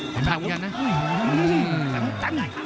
เห็นปากอย่างนั้นนะ